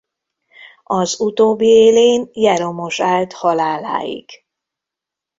Az utóbbi élén Jeromos állt haláláig.